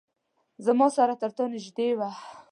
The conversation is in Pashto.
زما سره ترتا نیژدې وه